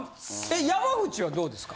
山口はどうですか？